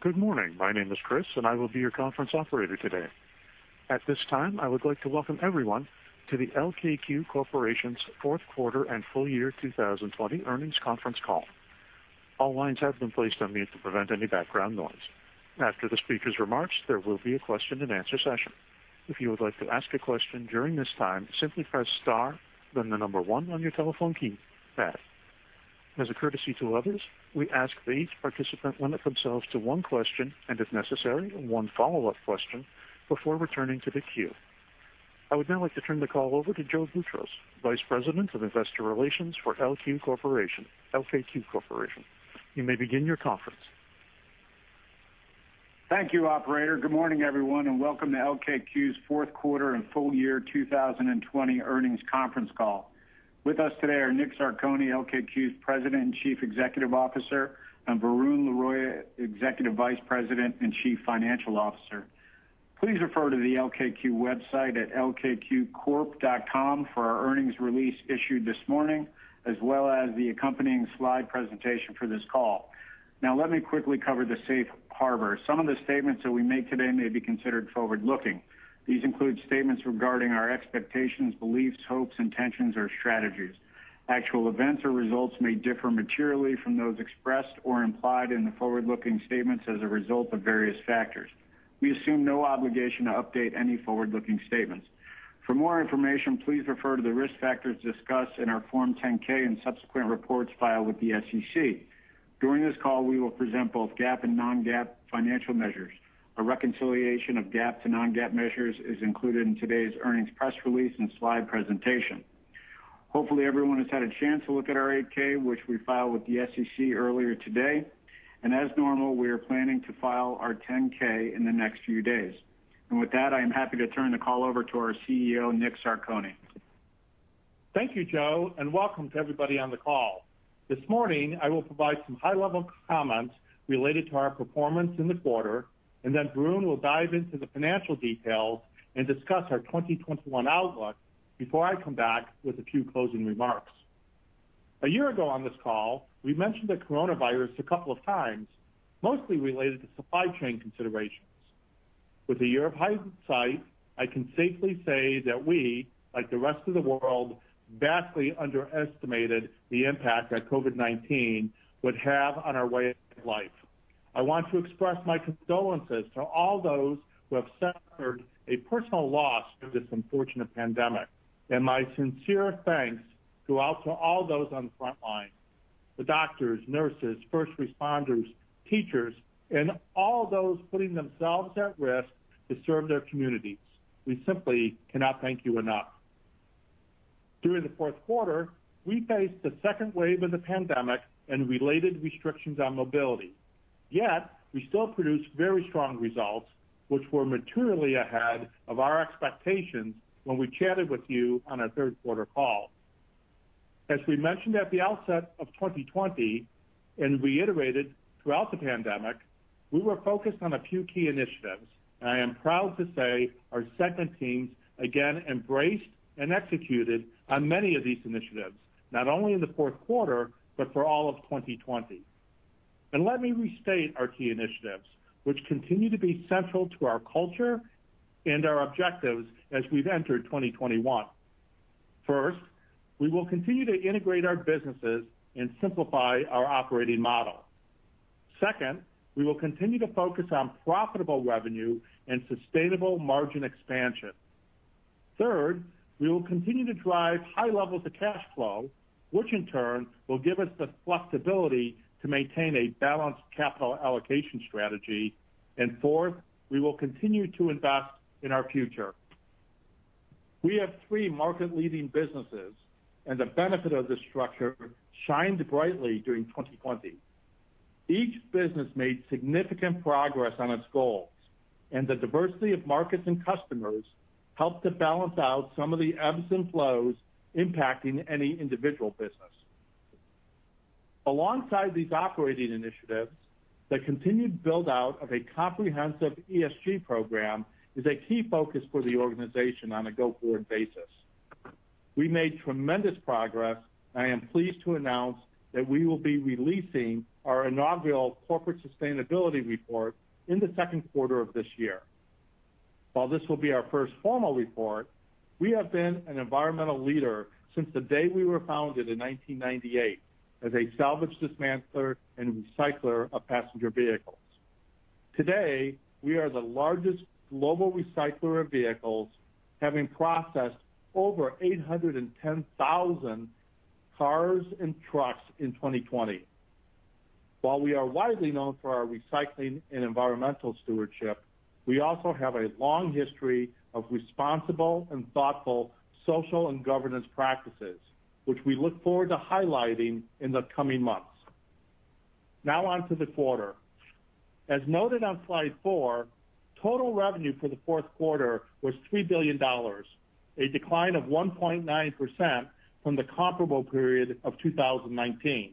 Good morning. My name is Chris, and I will be your conference operator today. At this time, I would like to welcome everyone to the LKQ Corporation's fourth quarter and full-year 2020 earnings conference call. All lines have been placed on mute to prevent any background noise. After the speaker's remarks, there will be a question-and-answer session. If you would like to ask a question during this time, simply press star then the number one on your telephone keypad. As a courtesy to others, we ask that each participant limit themselves to one question and, if necessary, one follow-up question before returning to the queue. I would now like to turn the call over to Joe Boutross, Vice President of Investor Relations for LKQ Corporation. You may begin your conference. Thank you, operator. Good morning, everyone, and welcome to LKQ's fourth quarter and full-year 2020 earnings conference call. With us today are Nick Zarcone, LKQ's President and Chief Executive Officer, and Varun Laroyia, Executive Vice President and Chief Financial Officer. Please refer to the LKQ website at lkqcorp.com for our earnings release issued this morning, as well as the accompanying slide presentation for this call. Now, let me quickly cover the safe harbor. Some of the statements that we make today may be considered forward-looking. These include statements regarding our expectations, beliefs, hopes, intentions, or strategies. Actual events or results may differ materially from those expressed or implied in the forward-looking statements as a result of various factors. We assume no obligation to update any forward-looking statements. For more information, please refer to the risk factors discussed in our Form 10-K and subsequent reports filed with the SEC. During this call, we will present both GAAP and non-GAAP financial measures. A reconciliation of GAAP to non-GAAP measures is included in today's earnings press release and slide presentation. Hopefully, everyone has had a chance to look at our 8-K, which we filed with the SEC earlier today. As normal, we are planning to file our 10-K in the next few days. With that, I am happy to turn the call over to our CEO, Nick Zarcone. Thank you, Joe, and welcome to everybody on the call. This morning, I will provide some high-level comments related to our performance in the quarter, and then Varun will dive into the financial details and discuss our 2021 outlook before I come back with a few closing remarks. A year ago on this call, we mentioned the coronavirus a couple of times, mostly related to supply chain considerations. With a year of hindsight, I can safely say that we, like the rest of the world, vastly underestimated the impact that COVID-19 would have on our way of life. I want to express my condolences to all those who have suffered a personal loss through this unfortunate pandemic, and my sincere thanks go out to all those on the front line, the doctors, nurses, first responders, teachers, and all those putting themselves at risk to serve their communities. We simply cannot thank you enough. During the fourth quarter, we faced the second wave of the pandemic and related restrictions on mobility. Yet, we still produced very strong results, which were materially ahead of our expectations when we chatted with you on our third quarter call. As we mentioned at the outset of 2020 and reiterated throughout the pandemic, we were focused on a few key initiatives. I am proud to say our segment teams again embraced and executed on many of these initiatives, not only in the fourth quarter, but for all of 2020. Let me restate our key initiatives, which continue to be central to our culture and our objectives as we've entered 2021. First, we will continue to integrate our businesses and simplify our operating model. Second, we will continue to focus on profitable revenue and sustainable margin expansion. Third, we will continue to drive high levels of cash flow, which in turn will give us the flexibility to maintain a balanced capital allocation strategy. Fourth, we will continue to invest in our future. We have three market-leading businesses, and the benefit of this structure shined brightly during 2020. Each business made significant progress on its goals, and the diversity of markets and customers helped to balance out some of the ebbs and flows impacting any individual business. Alongside these operating initiatives, the continued build-out of a comprehensive ESG program is a key focus for the organization on a go-forward basis. We made tremendous progress. I am pleased to announce that we will be releasing our inaugural Corporate Sustainability Report in the second quarter of this year. While this will be our first formal report, we have been an environmental leader since the day we were founded in 1998 as a salvage dismantler and recycler of passenger vehicles. Today, we are the largest global recycler of vehicles, having processed over 810,000 cars and trucks in 2020. While we are widely known for our recycling and environmental stewardship, we also have a long history of responsible and thoughtful social and governance practices, which we look forward to highlighting in the coming months. Now on to the quarter. As noted on slide four, total revenue for the fourth quarter was $3 billion, a decline of 1.9% from the comparable period of 2019.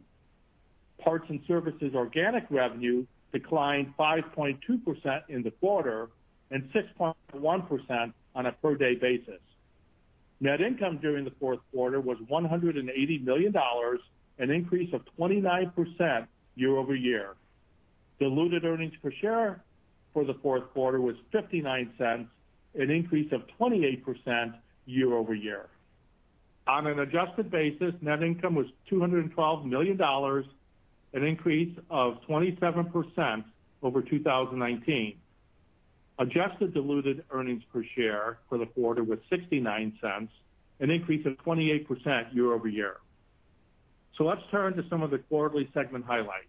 Parts and services organic revenue declined 5.2% in the quarter and 6.1% on a per day basis. Net income during the fourth quarter was $180 million, an increase of 29% year-over-year. Diluted earnings per share for the fourth quarter was $0.59, an increase of 28% year-over-year. On an adjusted basis, net income was $212 million, an increase of 27% over 2019. Adjusted diluted earnings per share for the quarter was $0.69, an increase of 28% year-over-year. Let's turn to some of the quarterly segment highlights.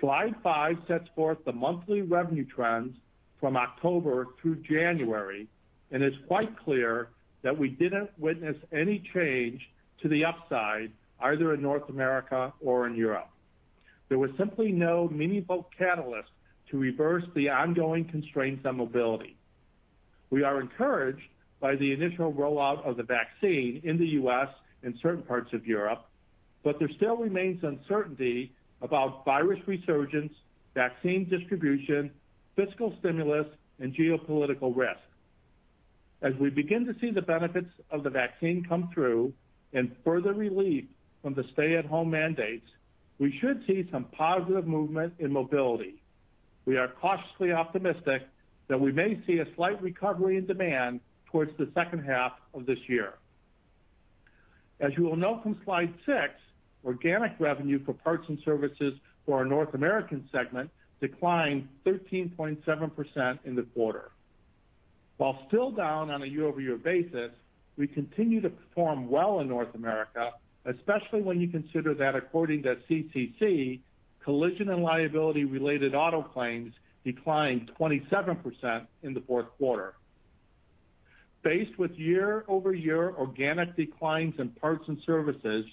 Slide five sets forth the monthly revenue trends from October through January, and it's quite clear that we didn't witness any change to the upside, either in North America or in Europe. There was simply no meaningful catalyst to reverse the ongoing constraints on mobility. We are encouraged by the initial rollout of the vaccine in the U.S. and certain parts of Europe, but there still remains uncertainty about virus resurgence, vaccine distribution, fiscal stimulus, and geopolitical risk. As we begin to see the benefits of the vaccine come through and further relief from the stay-at-home mandates, we should see some positive movement in mobility. We are cautiously optimistic that we may see a slight recovery in demand towards the second half of this year. As you will note from slide six, organic revenue for parts and services for our North American segment declined 13.7% in the quarter. While still down on a year-over-year basis, we continue to perform well in North America, especially when you consider that, according to CCC, collision and liability-related auto claims declined 27% in the fourth quarter. Faced with year-over-year organic declines in parts and services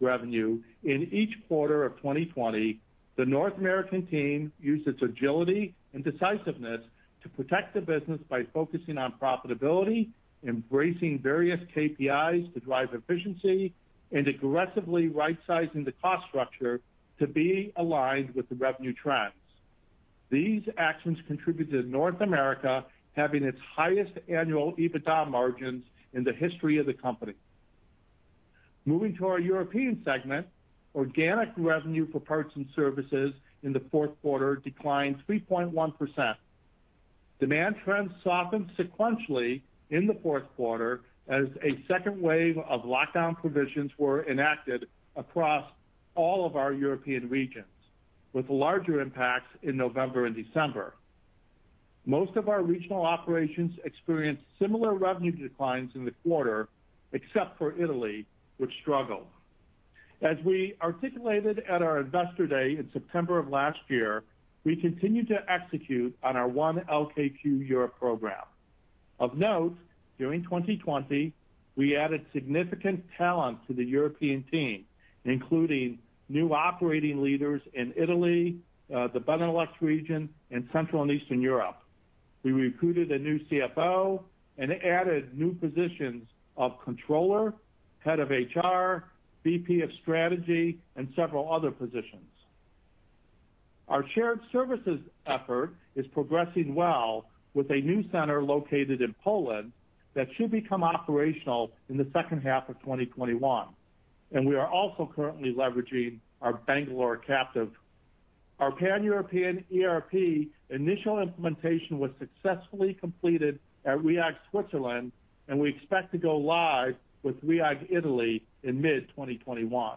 revenue in each quarter of 2020, the North American team used its agility and decisiveness to protect the business by focusing on profitability, embracing various KPIs to drive efficiency, and aggressively rightsizing the cost structure to be aligned with the revenue trends. These actions contributed to North America having its highest annual EBITDA margins in the history of the company. Moving to our European segment, organic revenue for parts and services in the fourth quarter declined 3.1%. Demand trends softened sequentially in the fourth quarter as a second wave of lockdown provisions were enacted across all of our European regions, with larger impacts in November and December. Most of our regional operations experienced similar revenue declines in the quarter, except for Italy, which struggled. As we articulated at our Investor Day in September of last year, we continue to execute on our 1 LKQ Europe Program. Of note, during 2020, we added significant talent to the European team, including new operating leaders in Italy, the Benelux region, and Central and Eastern Europe. We recruited a new CFO and added new positions of Controller, Head of HR, VP of Strategy, and several other positions. Our shared services effort is progressing well with a new center located in Poland that should become operational in the second half of 2021, and we are also currently leveraging our Bangalore captive. Our Pan-European ERP initial implementation was successfully completed at Rhiag Switzerland, and we expect to go live with Rhiag Italy in mid 2021.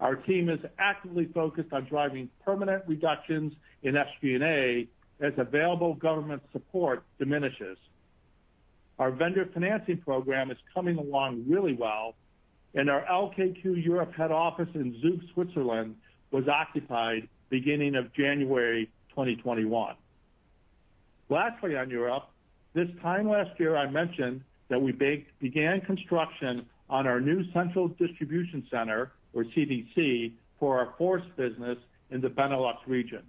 Our team is actively focused on driving permanent reductions in SG&A as available government support diminishes. Our vendor financing program is coming along really well. Our LKQ Europe head office in Zug, Switzerland, was occupied beginning of January 2021. Lastly on Europe, this time last year, I mentioned that we began construction on our new central distribution center, or CDC, for our Fource business in the Benelux region.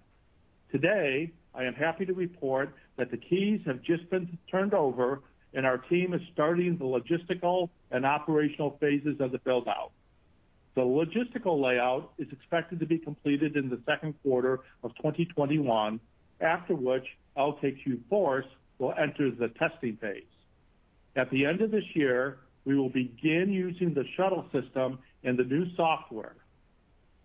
Today, I am happy to report that the keys have just been turned over, our team is starting the logistical and operational phases of the build-out. The logistical layout is expected to be completed in the second quarter of 2021, after which LKQ Fource will enter the testing phase. At the end of this year, we will begin using the shuttle system and the new software.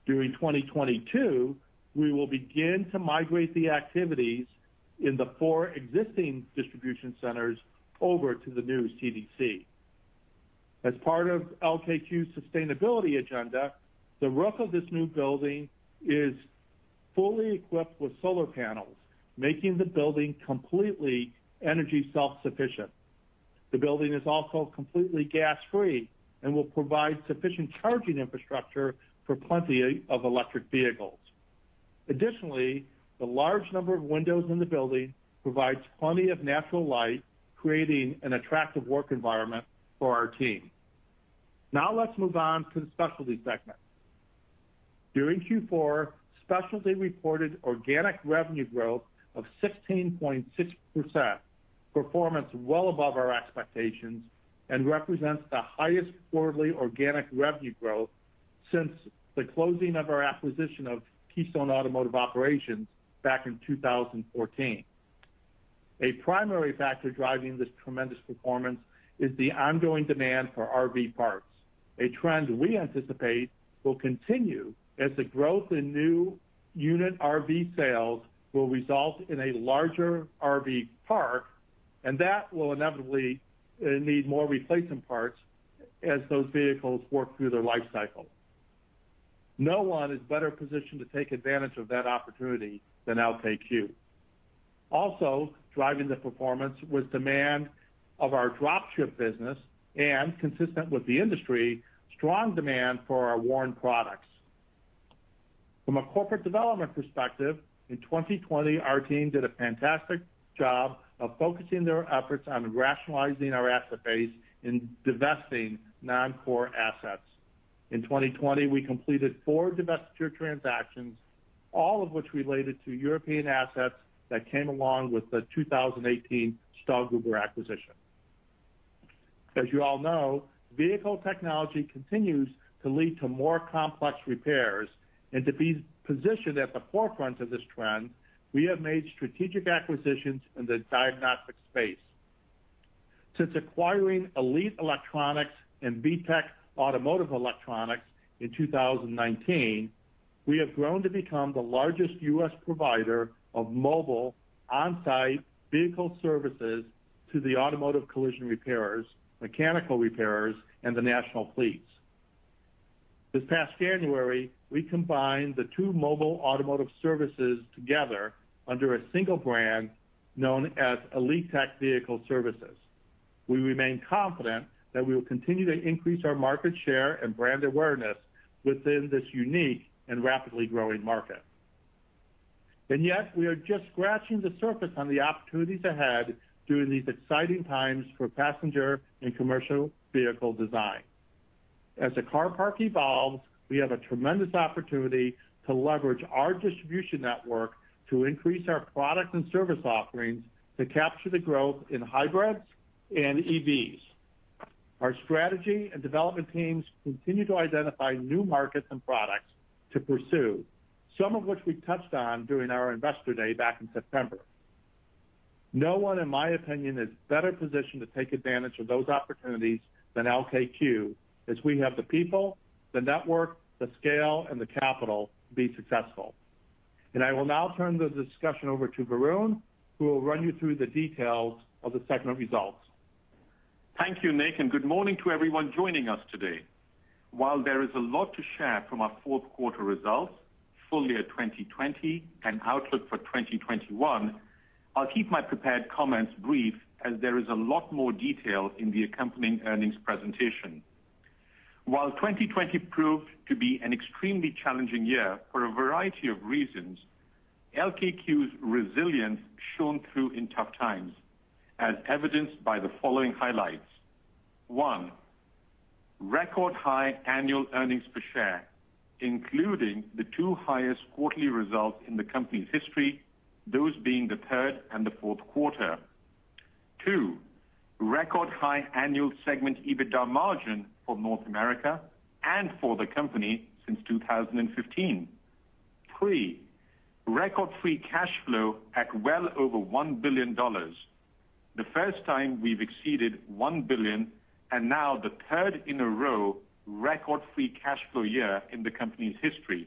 During 2022, we will begin to migrate the activities in the four existing distribution centers over to the new CDC. As part of LKQ's sustainability agenda, the roof of this new building is fully equipped with solar panels, making the building completely energy self-sufficient. The building is also completely gas-free and will provide sufficient charging infrastructure for plenty of electric vehicles. Additionally, the large number of windows in the building provides plenty of natural light, creating an attractive work environment for our team. Now let's move on to the Specialty segment. During Q4, Specialty reported organic revenue growth of 16.6%, performance well above our expectations, and represents the highest quarterly organic revenue growth since the closing of our acquisition of Keystone Automotive Operations back in 2014. A primary factor driving this tremendous performance is the ongoing demand for RV parts, a trend we anticipate will continue as the growth in new unit RV sales will result in a larger RV park, and that will inevitably need more replacement parts as those vehicles work through their life cycle. No one is better positioned to take advantage of that opportunity than LKQ. Also, driving the performance was demand of our drop ship business and consistent with the industry, strong demand for our Warn products. From a corporate development perspective, in 2020, our team did a fantastic job of focusing their efforts on rationalizing our asset base and divesting non-core assets. In 2020, we completed four divestiture transactions, all of which related to European assets that came along with the 2018 STAHLGRUBER acquisition. As you all know, vehicle technology continues to lead to more complex repairs, and to be positioned at the forefront of this trend, we have made strategic acquisitions in the diagnostics space. Since acquiring Elite Electronics and VeTech Automotive Electronics in 2019, we have grown to become the largest U.S. provider of mobile on-site vehicle services to the automotive collision repairers, mechanical repairers, and the national fleets. This past January, we combined the two mobile automotive services together under a single brand known as Elitek Vehicle Services. We remained confident that we will continue to increase our marketshare and brand awareness within this unique and rapidly growing market. Yet we are just scratching the surface on the opportunities ahead during these exciting times for passenger and commercial vehicle design. As the car park evolves, we have a tremendous opportunity to leverage our distribution network to increase our product and service offerings to capture the growth in hybrids and EVs. Our strategy and development teams continue to identify new markets and products to pursue, some of which we touched on during our Investor Day back in September. No one, in my opinion, is better positioned to take advantage of those opportunities than LKQ, as we have the people, the network, the scale, and the capital to be successful. I will now turn the discussion over to Varun, who will run you through the details of the segment results. Thank you, Nick, and good morning to everyone joining us today. While there is a lot to share from our fourth quarter results, full year 2020 and outlook for 2021, I'll keep my prepared comments brief as there is a lot more detail in the accompanying earnings presentation. While 2020 proved to be an extremely challenging year for a variety of reasons, LKQ's resilience shone through in tough times, as evidenced by the following highlights. One, record high annual EPS, including the two highest quarterly results in the company's history, those being the third and the fourth quarter. Two, record high annual segment EBITDA margin for North America and for the company since 2015. Three, record free cash flow at well over $1 billion. The first time we've exceeded $1 billion, and now the third in a row record free cash flow year in the company's history.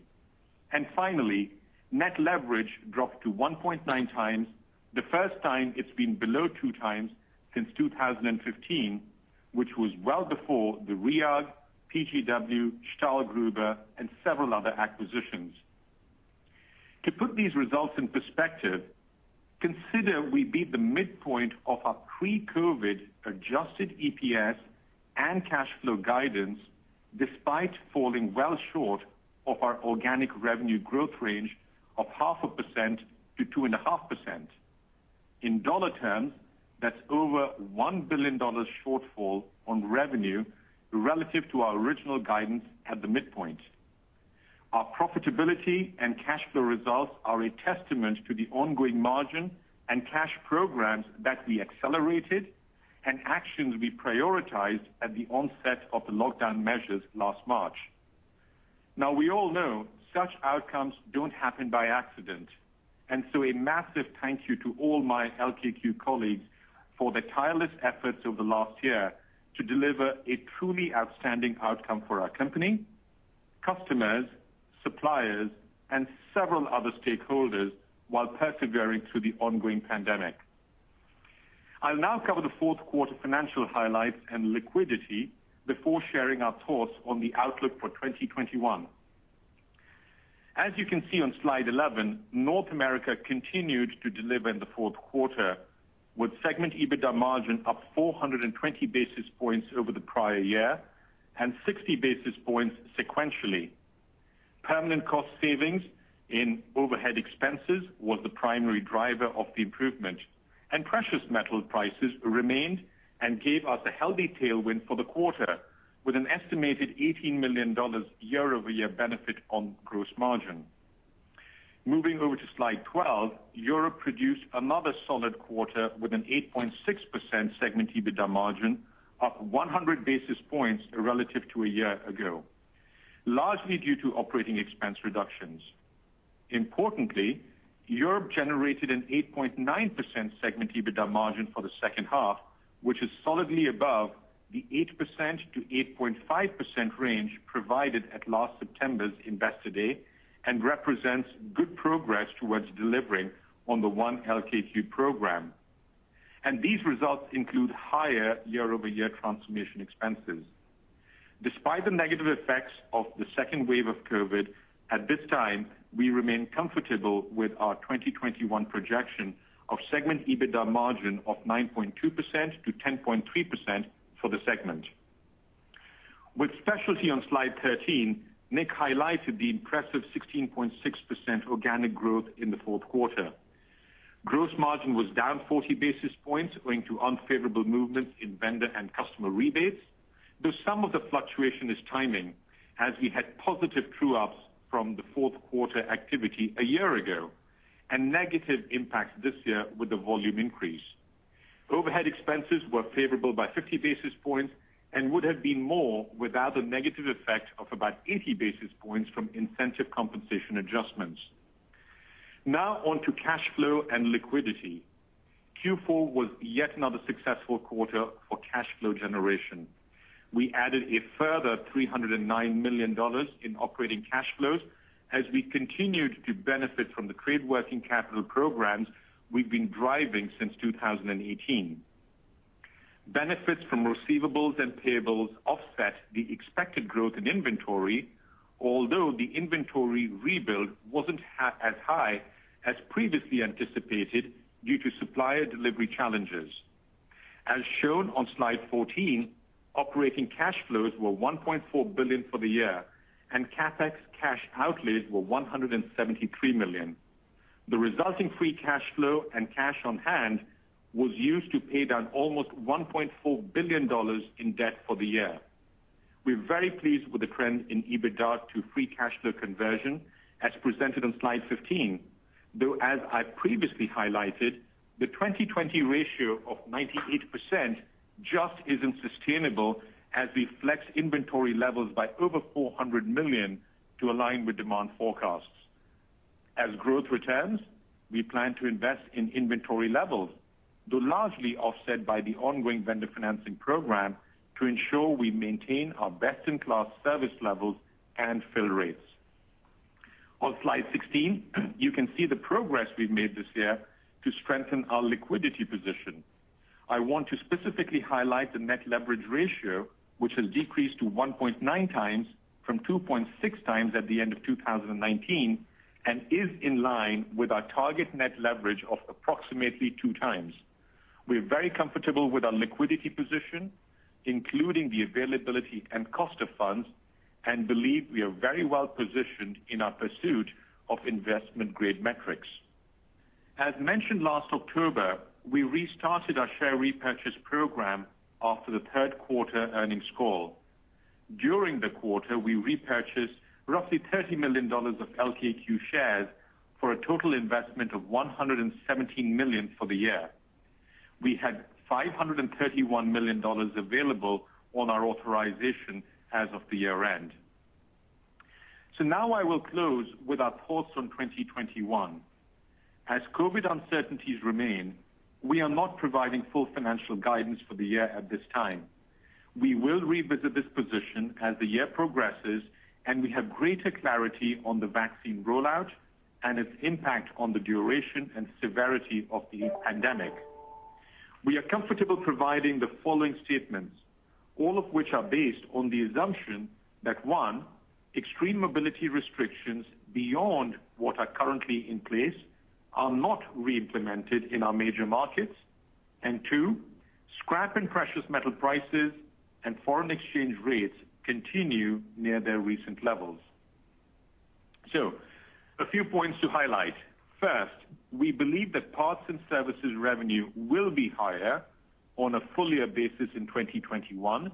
Finally, net leverage dropped to 1.9x, the first time it's been below 2x since 2015, which was well before the Rhiag, PGW, STAHLGRUBER, and several other acquisitions. To put these results in perspective, consider we beat the midpoint of our pre-COVID-19 adjusted EPS and cash flow guidance despite falling well short of our organic revenue growth range of 0.5%-2.5%. In dollar terms, that's over $1 billion shortfall on revenue relative to our original guidance at the midpoint. Our profitability and cash flow results are a testament to the ongoing margin and cash programs that we accelerated and actions we prioritized at the onset of the lockdown measures last March. We all know such outcomes don't happen by accident. A massive thank you to all my LKQ colleagues for their tireless efforts over the last year to deliver a truly outstanding outcome for our company, customers, suppliers, and several other stakeholders while persevering through the ongoing pandemic. I'll now cover the fourth quarter financial highlights and liquidity before sharing our thoughts on the outlook for 2021. As you can see on slide 11, North America continued to deliver in the fourth quarter with segment EBITDA margin up 420 basis points over the prior year and 60 basis points sequentially. Permanent cost savings in overhead expenses was the primary driver of the improvement; precious metal prices remained and gave us a healthy tailwind for the quarter, with an estimated $18 million year-over-year benefit on gross margin. Moving over to slide 12, Europe produced another solid quarter with an 8.6% segment EBITDA margin, up 100 basis points relative to a year ago, largely due to operating expense reductions. Importantly, Europe generated an 8.9% segment EBITDA margin for the second half, which is solidly above the 8%-8.5% range provided at last September's Investor Day and represents good progress towards delivering on the 1 LKQ Europe Program. These results include higher year-over-year transformation expenses. Despite the negative effects of the second wave of COVID-19, at this time, we remain comfortable with our 2021 projection of segment EBITDA margin of 9.2%-10.3% for the segment. With Specialty on Slide 13, Nick highlighted the impressive 16.6% organic growth in the fourth quarter. Gross margin was down 40 basis points owing to unfavorable movements in vendor and customer rebates, though some of the fluctuation is timing, as we had positive true-ups from the fourth quarter activity a year ago and negative impacts this year with the volume increase. Overhead expenses were favorable by 50 basis points and would have been more without a negative effect of about 80 basis points from incentive compensation adjustments. On to cash flow and liquidity. Q4 was yet another successful quarter for cash flow generation. We added a further $309 million in operating cash flows as we continued to benefit from the trade working capital programs we've been driving since 2018. Benefits from receivables and payables offset the expected growth in inventory, although the inventory rebuild wasn't as high as previously anticipated due to supplier delivery challenges. As shown on Slide 14, operating cash flows were $1.4 billion for the year, and CapEx cash outlays were $173 million. The resulting free cash flow and cash on hand was used to pay down almost $1.4 billion in debt for the year. We're very pleased with the trend in EBITDA to free cash flow conversion, as presented on Slide 15. Though, as I previously highlighted, the 2020 ratio of 98% just isn't sustainable as we flex inventory levels by over $400 million to align with demand forecasts. As growth returns, we plan to invest in inventory levels, though largely offset by the ongoing vendor financing program to ensure we maintain our best-in-class service levels and fill rates. On Slide 16, you can see the progress we've made this year to strengthen our liquidity position. I want to specifically highlight the net leverage ratio, which has decreased to 1.9x from 2.6x at the end of 2019 and is in line with our target net leverage of approximately 2x. We are very comfortable with our liquidity position, including the availability and cost of funds, and believe we are very well positioned in our pursuit of investment-grade metrics. As mentioned last October, we restarted our share repurchase program after the third quarter earnings call. During the quarter, we repurchased roughly $30 million of LKQ shares for a total investment of $117 million for the year. We had $531 million available on our authorization as of the year-end. Now, I will close with our thoughts on 2021. As COVID uncertainties remain, we are not providing full financial guidance for the year at this time. We will revisit this position as the year progresses and we have greater clarity on the vaccine rollout and its impact on the duration and severity of the pandemic. We are comfortable providing the following statements, all of which are based on the assumption that, one, extreme mobility restrictions beyond what are currently in place are not re-implemented in our major markets. Two, scrap and precious metal prices and foreign exchange rates continue near their recent levels. A few points to highlight. First, we believe that parts and services revenue will be higher on a full-year basis in 2021,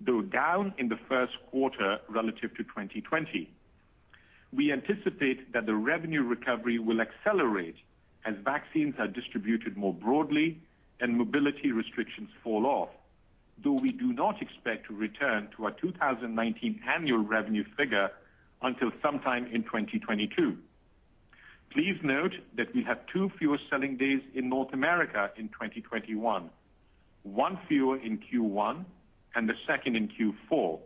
though down in the first quarter relative to 2020. We anticipate that the revenue recovery will accelerate as vaccines are distributed more broadly and mobility restrictions fall off, though we do not expect to return to our 2019 annual revenue figure until sometime in 2022. Please note that we have two fewer selling days in North America in 2021, one fewer in Q1 and the second in Q4,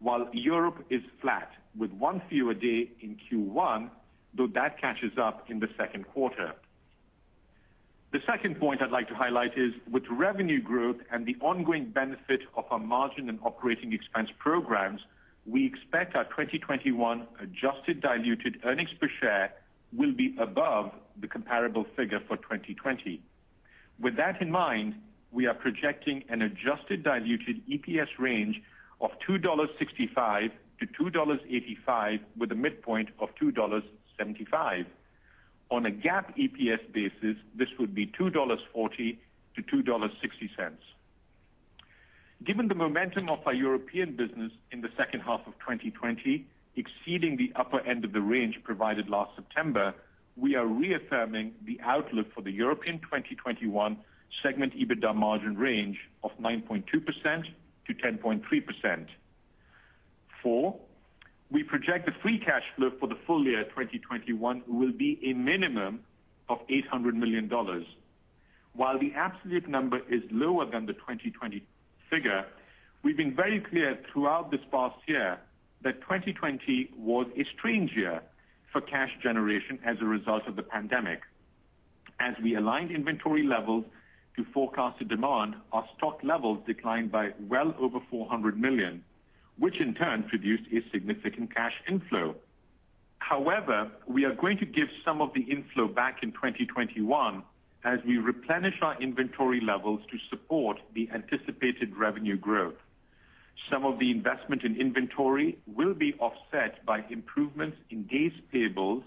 while Europe is flat with one fewer day in Q1, though that catches up in the second quarter. The second point I'd like to highlight is with revenue growth and the ongoing benefit of our margin and operating expense programs, we expect our 2021 adjusted diluted earnings per share will be above the comparable figure for 2020. With that in mind, we are projecting an adjusted diluted EPS range of $2.65-$2.85 with a midpoint of $2.75. On a GAAP EPS basis, this would be $2.40-$2.60. Given the momentum of our European business in the second half of 2020, exceeding the upper end of the range provided last September, we are reaffirming the outlook for the European 2021 segment EBITDA margin range of 9.2%-10.3%. Four, we project the free cash flow for the full year 2021 will be a minimum of $800 million. While the absolute number is lower than the 2020 figure, we've been very clear throughout this past year that 2020 was a strange year for cash generation as a result of the pandemic. As we aligned inventory levels to forecasted demand, our stock levels declined by well over $400 million, which in turn produced a significant cash inflow. However, we are going to give some of the inflow back in 2021 as we replenish our inventory levels to support the anticipated revenue growth. Some of the investment in inventory will be offset by improvements in days payables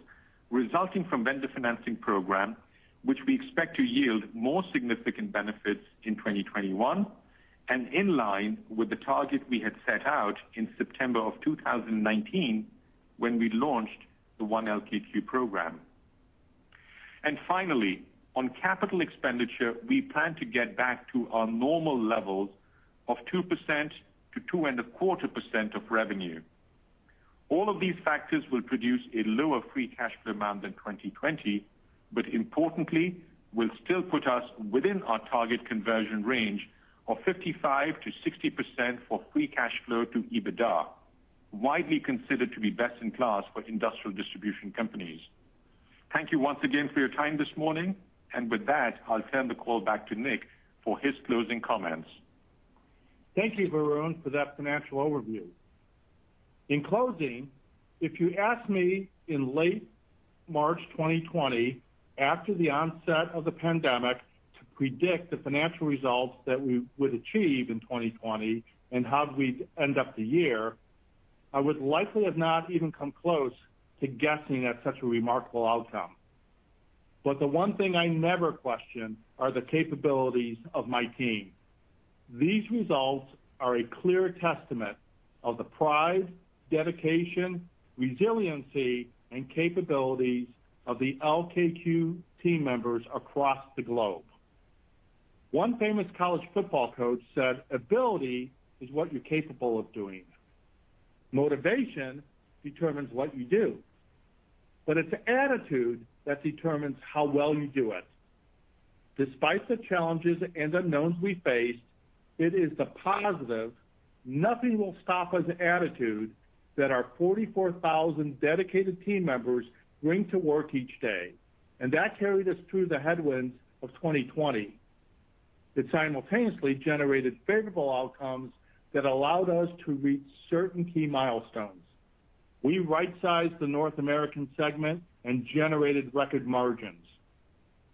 resulting from vendor financing program, which we expect to yield more significant benefits in 2021, in line with the target we had set out in September of 2019 when we launched the 1 LKQ Europe Program. Finally, on capital expenditure, we plan to get back to our normal levels of 2%-2.25% of revenue. All of these factors will produce a lower free cash flow amount than 2020, but importantly, will still put us within our target conversion range of 55%-60% for free cash flow to EBITDA, widely considered to be best in class for industrial distribution companies. Thank you once again for your time this morning. With that, I'll turn the call back to Nick for his closing comments. Thank you, Varun, for that financial overview. In closing, if you asked me in late March 2020, after the onset of the pandemic, to predict the financial results that we would achieve in 2020 and how we'd end up the year, I would likely have not even come close to guessing at such a remarkable outcome. The one thing I never question are the capabilities of my team. These results are a clear testament of the pride, dedication, resiliency, and capabilities of the LKQ team members across the globe. One famous college football coach said, "Ability is what you're capable of doing. Motivation determines what you do. But it's attitude that determines how well you do it." Despite the challenges and unknowns we faced, it is the positive, nothing will stop us attitude that our 44,000 dedicated team members bring to work each day. That carried us through the headwinds of 2020, that simultaneously generated favorable outcomes that allowed us to reach certain key milestones. We right-sized the North American segment and generated record margins.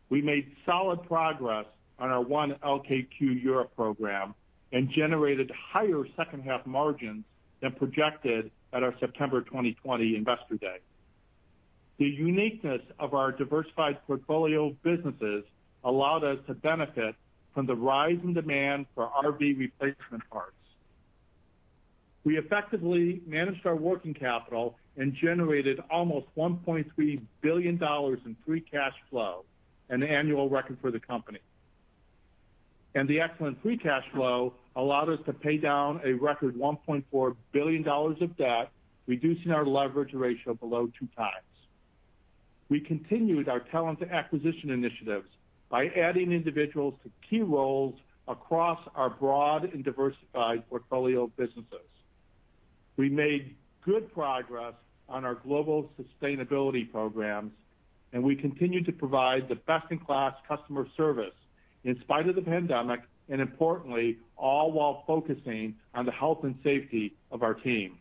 We made solid progress on our 1 LKQ Europe Program and generated higher second half margins than projected at our September 2020 Investor Day. The uniqueness of our diversified portfolio of businesses allowed us to benefit from the rise in demand for RV replacement parts. We effectively managed our working capital and generated almost $1.3 billion in free cash flow, an annual record for the company. The excellent free cash flow allowed us to pay down a record $1.4 billion of debt, reducing our leverage ratio below 2x. We continued our talent acquisition initiatives by adding individuals to key roles across our broad and diversified portfolio of businesses. We made good progress on our global sustainability programs, and we continued to provide the best-in-class customer service in spite of the pandemic, and importantly, all while focusing on the health and safety of our team.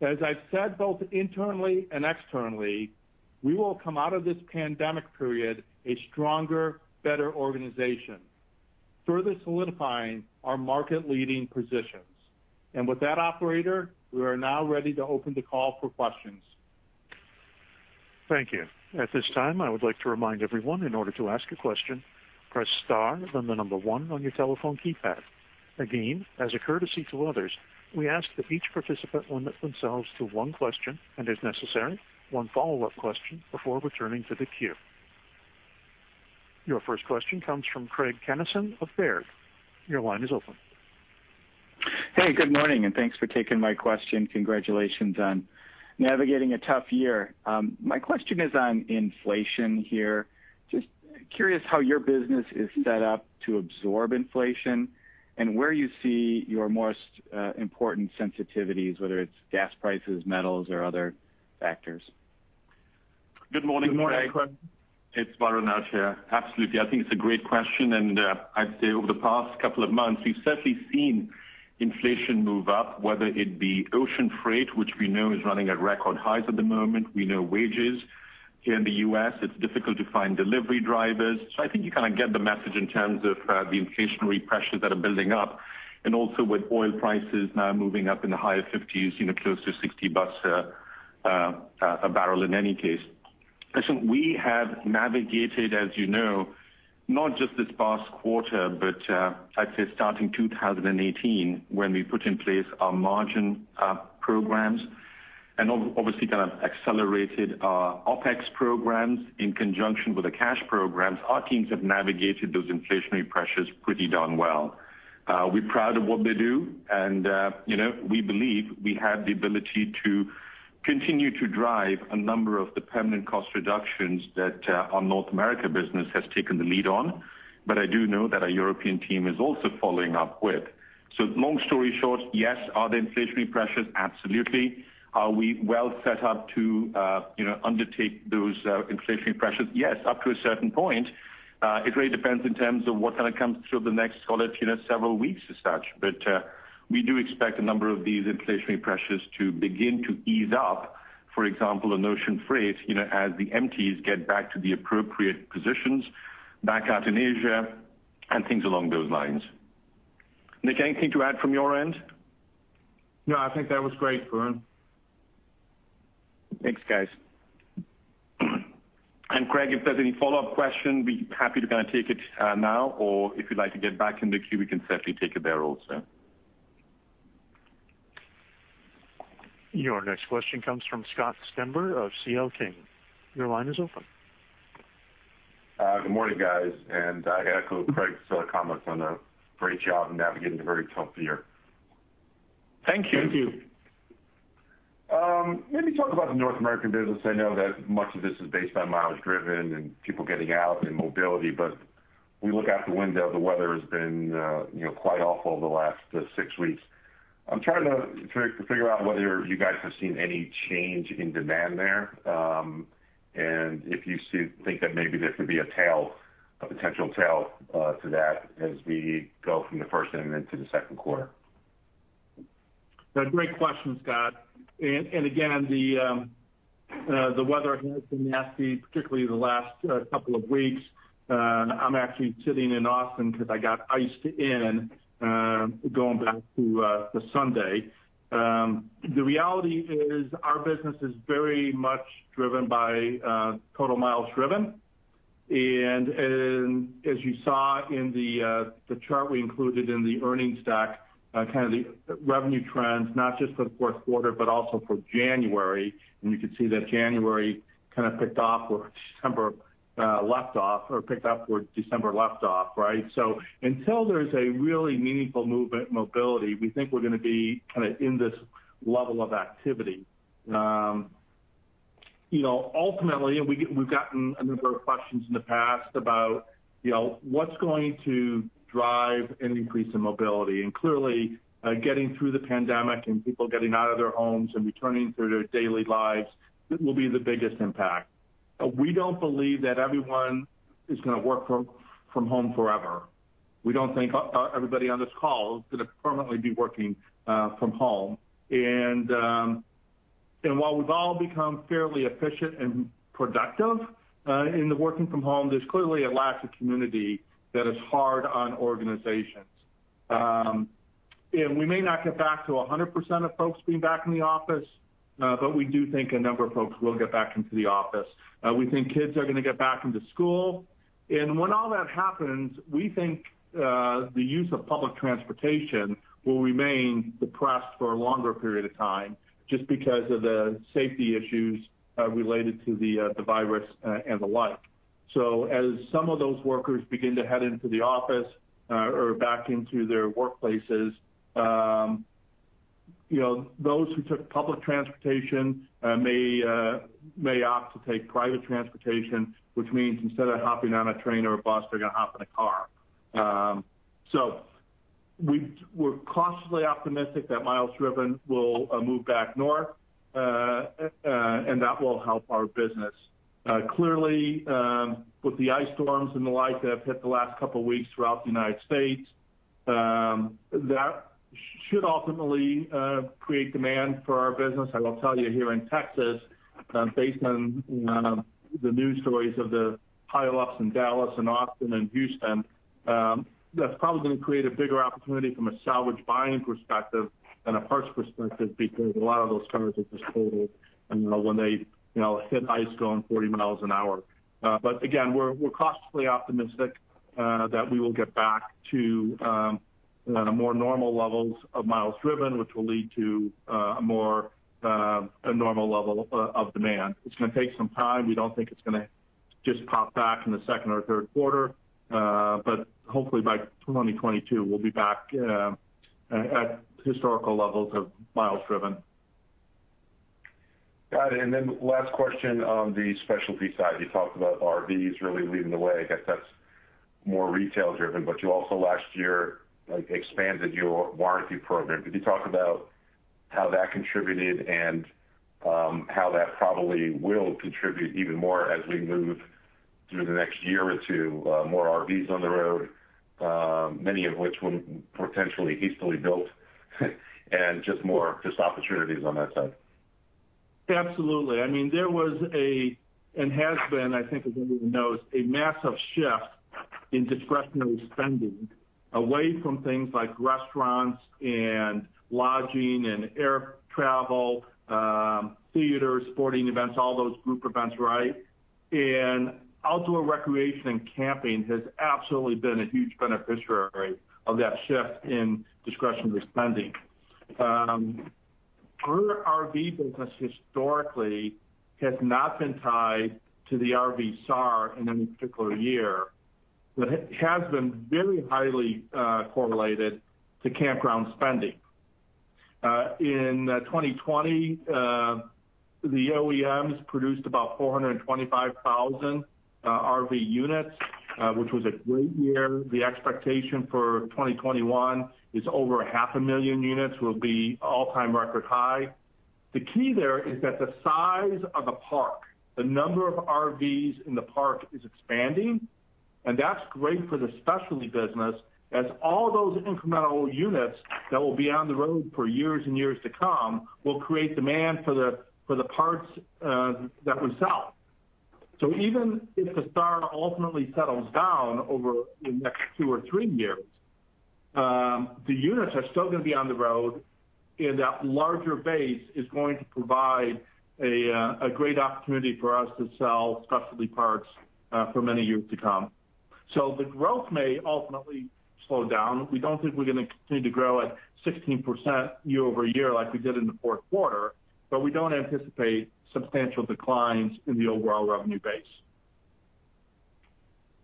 As I've said both internally and externally, we will come out of this pandemic period a stronger, better organization, further solidifying our market leading positions. With that operator, we are now ready to open the call for questions. Thank you. At this time, I would like to remind everyone, in order to ask a question, press star, then the number one on your telephone keypad. Again, as a courtesy to others, we ask that each participant limit themselves to one question, and if necessary, one follow-up question before returning to the queue. Your first question comes from Craig Kennison of Baird. Your line is open. Hey, good morning, thanks for taking my question. Congratulations on navigating a tough year. My question is on inflation here. Just curious how your business is set up to absorb inflation and where you see your most important sensitivities, whether it's gas prices, metals, or other factors? Good morning, Craig. Good morning. It's Varun out here. Absolutely. I think it's a great question. I'd say over the past couple of months, we've certainly seen inflation move up, whether it be ocean freight, which we know is running at record highs at the moment. We know wages. Here in the U.S., it's difficult to find delivery drivers. I think you kind of get the message in terms of the inflationary pressures that are building up. Also, with oil prices now moving up in the higher $50s, close to $60/bbl, in any case. Listen, we have navigated, as you know, not just this past quarter, but I'd say starting 2018, when we put in place our margin programs and obviously kind of accelerated our OpEx programs in conjunction with the cash programs. Our teams have navigated those inflationary pressures pretty darn well. We're proud of what they do. We believe we have the ability to continue to drive a number of the permanent cost reductions that our North America business has taken the lead on. I do know that our European team is also following up with. Long story short, yes, are there inflationary pressures? Absolutely. Are we well set up to undertake those inflationary pressures? Yes, up to a certain point. It really depends in terms of what kind of comes through the next call in several weeks as such. We do expect a number of these inflationary pressures to begin to ease up, for example, on ocean freight, as the empties get back to the appropriate positions back out in Asia and things along those lines. Nick, anything to add from your end? No, I think that was great, Varun. Thanks, guys. Craig, if there's any follow-up question, be happy to take it now, or if you'd like to get back in the queue, we can certainly take it there also. Your next question comes from Scott Stember of C.L. King. Your line is open. Good morning, guys, and I echo Craig's comments on the great job in navigating a very tough year. Thank you. Thank you. Let me talk about the North American business. I know that much of this is based on miles driven and people getting out and mobility, but we look out the window, the weather has been quite awful the last six weeks. I'm trying to figure out whether you guys have seen any change in demand there, and if you think that maybe there could be a potential tail to that as we go from the first quarter and then to the second quarter. Great question, Scott. Again, the weather has been nasty, particularly the last couple of weeks. I'm actually sitting in Austin because I got iced in going back to the Sunday. The reality is our business is very much driven by total miles driven. As you saw in the chart we included in the earnings deck, kind of the revenue trends, not just for the fourth quarter, but also for January. You can see that January kind of picked off where December left off, or picked up where December left off. Right? Until there is a really meaningful mobility, we think we're going to be kind of in this level of activity. Ultimately, we've gotten a number of questions in the past about what's going to drive an increase in mobility. Clearly, getting through the pandemic and people getting out of their homes and returning to their daily lives will be the biggest impact. We don't believe that everyone is going to work from home forever. We don't think everybody on this call is going to permanently be working from home. While we've all become fairly efficient and productive in the working from home, there's clearly a lack of community that is hard on organizations. We may not get back to 100% of folks being back in the office, but we do think a number of folks will get back into the office. We think kids are going to get back into school. When all that happens, we think the use of public transportation will remain depressed for a longer period of time, just because of the safety issues related to the virus and the like. As some of those workers begin to head into the office or back into their workplaces, those who took public transportation may opt to take private transportation, which means instead of hopping on a train or a bus, they're going to hop in a car. We're cautiously optimistic that miles driven will move back north, and that will help our business. Clearly, with the ice storms and the like that have hit the last couple of weeks throughout the United States, that should ultimately create demand for our business. I will tell you here in Texas, based on the news stories of the pileups in Dallas, and Austin, and Houston, that's probably going to create a bigger opportunity from a salvage buying perspective than a parts perspective, because a lot of those cars are just totaled, and when they hit ice going 40 mph. Again, we're cautiously optimistic that we will get back to more normal levels of miles driven, which will lead to a more normal level of demand. It's going to take some time. We don't think it's going to just pop back in the second or third quarter. Hopefully, by 2022, we'll be back at historical levels of miles-driven. Got it. Then last question on the Specialty side. You talked about RVs really leading the way. I guess that's more retail-driven, but you also last year expanded your warranty program. Could you talk about how that contributed and how that probably will contribute even more as we move through the next year or two, more RVs on the road, many of which were potentially hastily built and just more opportunities on that side? Absolutely. There was, and has been, I think, as everybody knows, a massive shift in discretionary spending away from things like restaurants and lodging and air travel, theaters, sporting events, all those group events, right? Outdoor recreation and camping has absolutely been a huge beneficiary of that shift in discretionary spending. Our RV business historically has not been tied to the RV SAAR in any particular year, but has been very highly correlated to campground spending. In 2020, the OEMs produced about 425,000 RV units, which was a great year. The expectation for 2021 is over 500,000 units will be all-time record high. The key there is that the size of a park, the number of RVs in the park is expanding, and that's great for the Specialty business, as all those incremental units that will be on the road for years and years to come will create demand for the parts that we sell. Even if the SAAR ultimately settles down over the next two or three years, the units are still going to be on the road, and that larger base is going to provide a great opportunity for us to sell specialty parts for many years to come. The growth may ultimately slow down. We don't think we're going to continue to grow at 16% year-over-year like we did in the fourth quarter, but we don't anticipate substantial declines in the overall revenue base.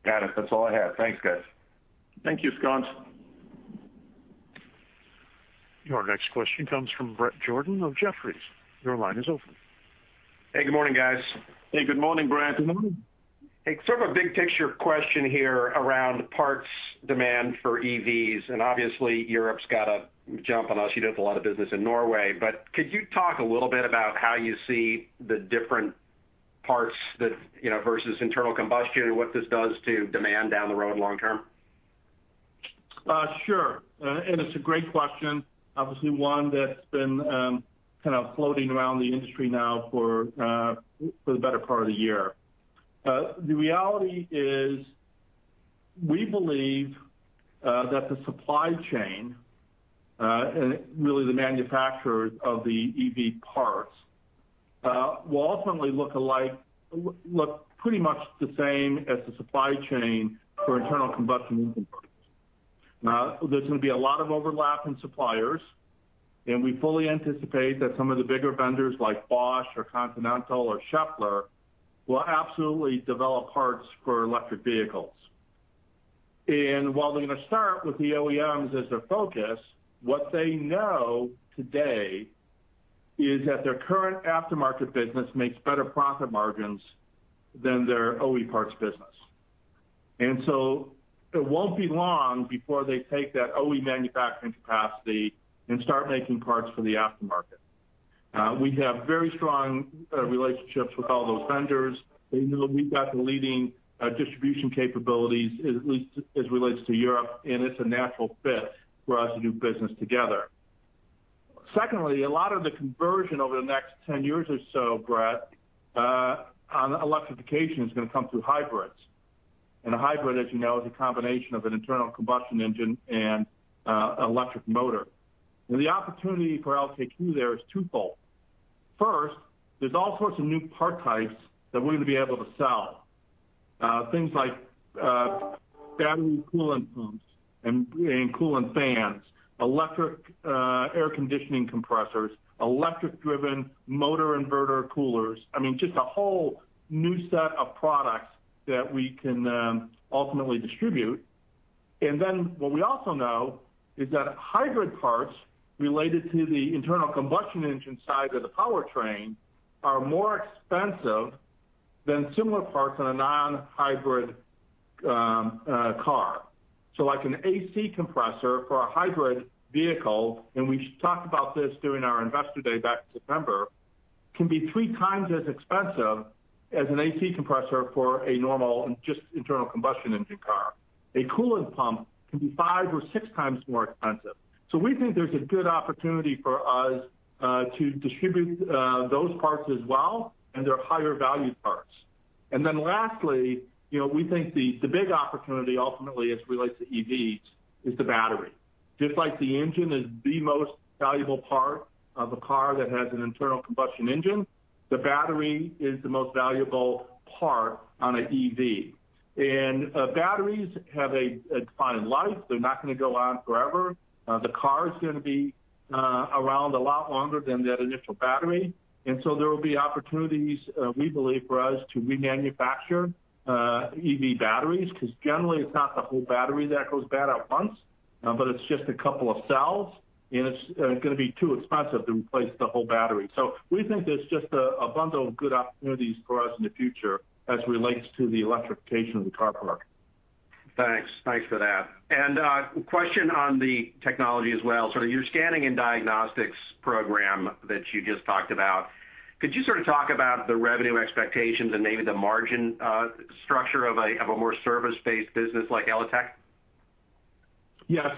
Got it. That's all I have. Thanks, guys. Thank you, Scott. Your next question comes from Bret Jordan of Jefferies. Your line is open. Hey, good morning, guys. Hey, good morning, Bret. Good morning. Hey, sort of a big picture question here around parts demand for EVs, obviously, Europe's got a jump on us. You did a lot of business in Norway. Could you talk a little bit about how you see the different parts versus internal combustion, and what this does to demand down the road, long term? Sure. It's a great question, obviously one that's been kind of floating around the industry now for the better part of the year. The reality is, we believe that the supply chain, and really the manufacturers of the EV parts, will ultimately look pretty much the same as the supply chain for internal combustion engine parts. There's going to be a lot of overlap in suppliers, and we fully anticipate that some of the bigger vendors like Bosch, or Continental, or Schaeffler will absolutely develop parts for electric vehicles. While they're going to start with the OEMs as their focus, what they know today is that their current aftermarket business makes better profit margins than their OE parts business. It won't be long before they take that OE manufacturing capacity and start making parts for the aftermarket. We have very strong relationships with all those vendors. They know that we've got the leading distribution capabilities, at least as it relates to Europe, and it's a natural fit for us to do business together. Secondly, a lot of the conversion over the next 10 years or so, Bret, on electrification is going to come through hybrids. A hybrid, as you know, is a combination of an internal combustion engine and an electric motor. The opportunity for LKQ there is twofold. First, there's all sorts of new part types that we're going to be able to sell. Things like battery coolant pumps and coolant fans, electric air conditioning compressors, electric-driven motor inverter coolers. I mean, just a whole new set of products that we can ultimately distribute. What we also know is that hybrid parts related to the internal combustion engine side of the powertrain are more expensive than similar parts on a non-hybrid car. Like an AC compressor for a hybrid vehicle, and we talked about this during our Investor Day back in September, can be 3x as expensive as an AC compressor for a normal, just internal combustion engine car. A coolant pump can be 5x or 6x more expensive. We think there's a good opportunity for us to distribute those parts as well, and they're higher-value parts. Lastly, we think the big opportunity ultimately, as it relates to EVs, is the battery. Just like the engine is the most valuable part of a car that has an internal combustion engine, the battery is the most valuable part of an EV. Batteries have a defined life. They're not going to go on forever. The car is going to be around a lot longer than that initial battery. There will be opportunities, we believe, for us to remanufacture EV batteries, because generally it's not the whole battery that goes bad at once. It's just a couple of cells, and it's going to be too expensive to replace the whole battery. We think there's just a bundle of good opportunities for us in the future as it relates to the electrification of the car park. Thanks. Thanks for that. A question on the technology as well, so your scanning and diagnostics program that you just talked about, could you sort of talk about the revenue expectations and maybe the margin structure of a more service-based business like Elitek? Yeah.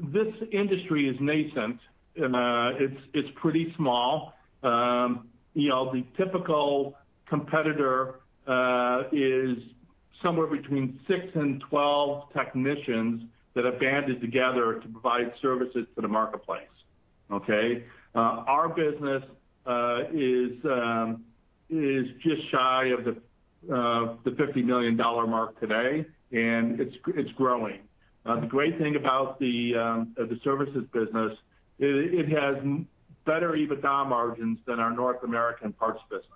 This industry is nascent, and it's pretty small. The typical competitor is somewhere between six and 12 technicians that have banded together to provide services to the marketplace. Okay? Our business is just shy of the $50 million mark today, and it's growing. The great thing about the services business, it has better EBITDA margins than our North American parts business.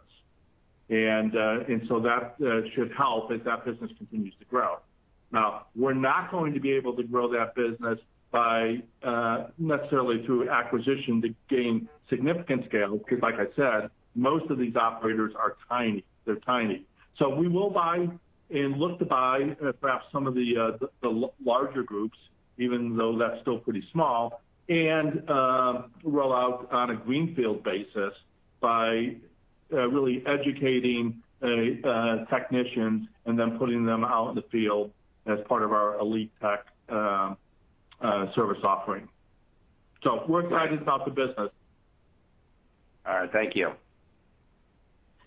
That should help as that business continues to grow. Now, we're not going to be able to grow that business necessarily through acquisition to gain significant scale, because, like I said, most of these operators are tiny. They're tiny. We will buy and look to buy perhaps some of the larger groups, even though that's still pretty small, and roll out on a greenfield basis by really educating technicians and then putting them out in the field as part of our Elitek service offering. We're excited about the business. All right. Thank you.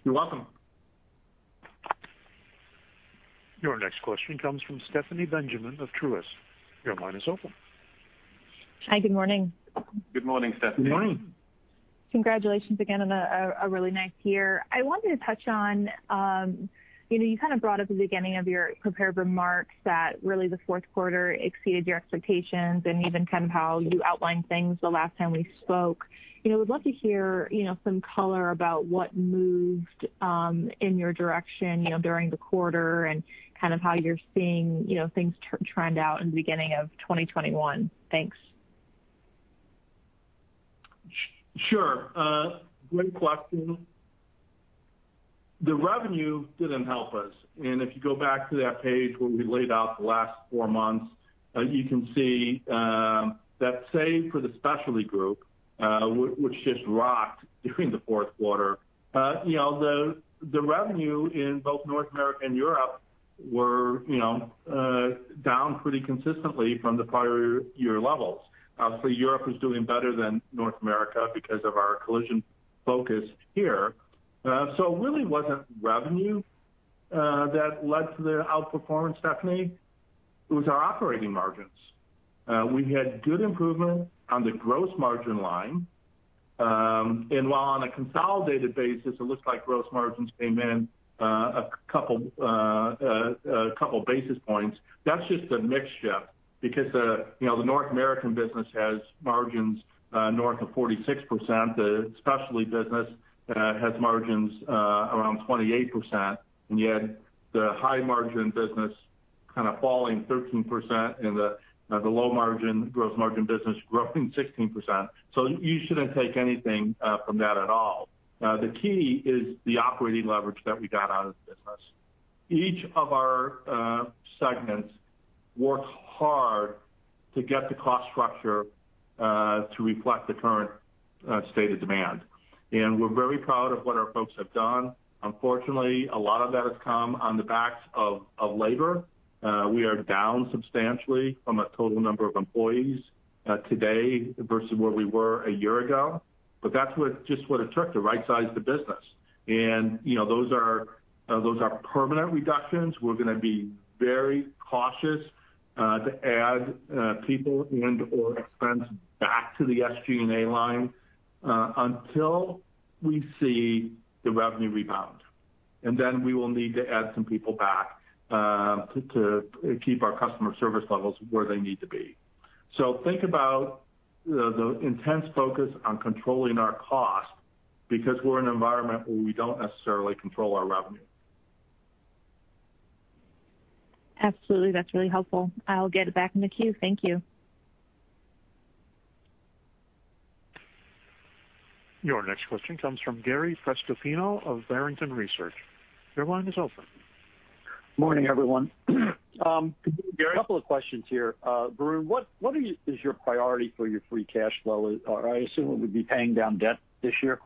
You're welcome. Your next question comes from Stephanie Benjamin of Truist. Your line is open. Hi. Good morning. Good morning, Stephanie. Good morning. Congratulations again on a really nice year. I wanted to touch on, you kind of brought up at the beginning of your prepared remarks, that really the fourth quarter exceeded your expectations, and even how you outlined things the last time we spoke. Would love to hear some color about what moved in your direction during the quarter and how you're seeing things trend out in the beginning of 2021? Thanks. Sure. Great question. The revenue didn't help us, and if you go back to that page where we laid out the last four months, you can see that, save for the specialty group, which just rocked during the fourth quarter, the revenue in both North America and Europe were down pretty consistently from the prior year levels. Obviously, Europe was doing better than North America because of our collision focus here. It really wasn't revenue that led to the outperformance, Stephanie. It was our operating margins. We had good improvement on the gross margin line. While on a consolidated basis, it looks like gross margins came in a couple of basis points, that's just a mixture because the North American business has margins north of 46%, the Specialty business has margins around 28%, yet the high-margin business kind of falling 13%, and the low gross margin business growing 16%. You shouldn't take anything from that at all. The key is the operating leverage that we got out of the business. Each of our segments worked hard to get the cost structure to reflect the current state of demand. We're very proud of what our folks have done. Unfortunately, a lot of that has come on the backs of labor. We are down substantially from a total number of employees today versus where we were a year ago, but that's just what it took to right-size the business. Those are permanent reductions. We're going to be very cautious to add people and/or expense back to the SG&A line until we see the revenue rebound. Then we will need to add some people back to keep our customer service levels where they need to be. Think about the intense focus on controlling our cost because we're in an environment where we don't necessarily control our revenue. Absolutely. That's really helpful. I'll get it back in the queue. Thank you. Your next question comes from Gary Prestopino of Barrington Research. Your line is open. Morning, everyone. Gary. A couple of questions here. Varun, what is your priority for your free cash flow? I assume it would be paying down debt this year?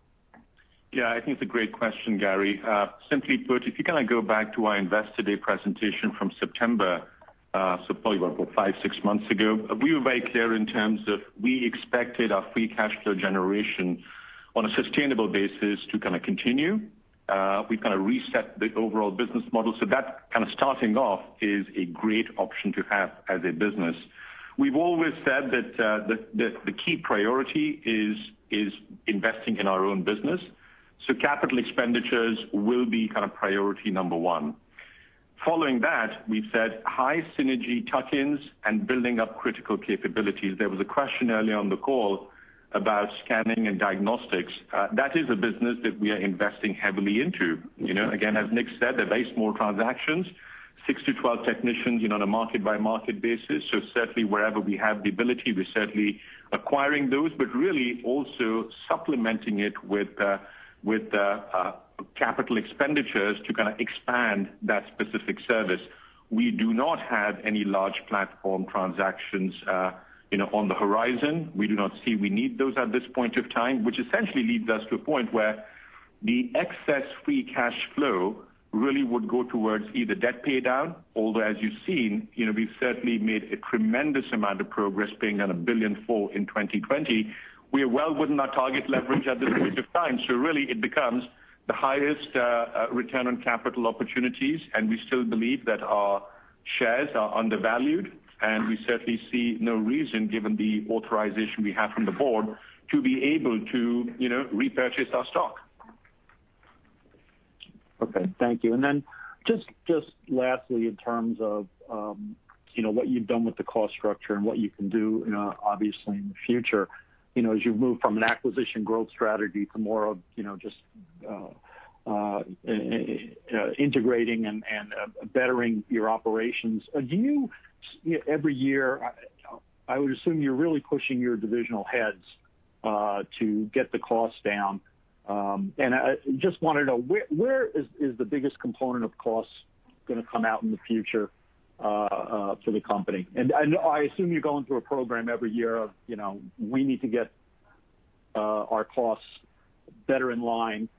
Yeah, I think it's a great question, Gary. Simply put, if you kind of go back to our Investor Day presentation from September, probably about five, six months ago, we were very clear in terms of we expected our free cash flow generation on a sustainable basis to kind of continue. We've kind of reset the overall business model. That kind of starting off is a great option to have as a business. We've always said that the key priority is investing in our own business. Capital expenditures will be kind of priority number one. Following that, we've said high synergy tuck-ins and building up critical capabilities. There was a question earlier on the call about scanning and diagnostics. That is a business that we are investing heavily into, you know. Again, as Nick said, they're very small transactions, 6-12 technicians, on a market-by-market basis. Certainly, wherever we have the ability, we're certainly acquiring those, but really also supplementing it with capital expenditures to kind of expand that specific service. We do not have any large platform transactions on the horizon. We do not see we need those at this point of time, which essentially leads us to a point where the excess free cash flow really would go towards either debt paydown, although, as you've seen, we've certainly made a tremendous amount of progress, being at $1.4 billion in 2020. We are well within our target leverage at this point of time. Really, it becomes the highest return on capital opportunities, and we still believe that our shares are undervalued, and we certainly see no reason, given the authorization we have from the board, to be able to repurchase our stock. Okay. Thank you. Lastly, in terms of what you've done with the cost structure and what you can do, obviously, in the future, as you move from an acquisition growth strategy to more of just integrating and bettering your operations. Every year, I would assume you're really pushing your divisional heads to get the costs down. I just want to know where is the biggest component of costs going to come out in the future for the company? I assume you're going through a program every year of, we need to get our costs better in line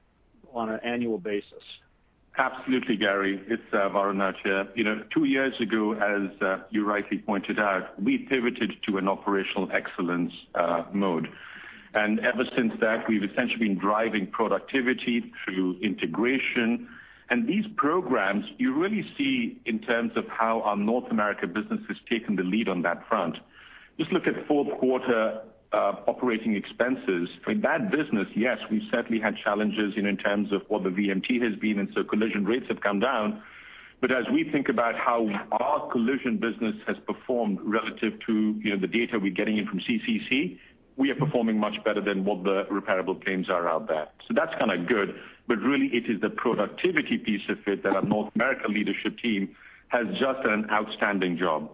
on an annual basis. Absolutely, Gary. It's Varun here. Two years ago, as you rightly pointed out, we pivoted to an operational excellence mode. Ever since that, we've essentially been driving productivity through integration. These programs, you really see in terms of how our North America business has taken the lead on that front. Just look at fourth quarter operating expenses. In that business, yes, we've certainly had challenges in terms of what the VMT has been, and so collision rates have come down. As we think about how our collision business has performed relative to the data we're getting in from CCC, we are performing much better than what the repairable claims are out there. That's kind of good, but really it is the productivity piece of it that our North America leadership team has just done an outstanding job.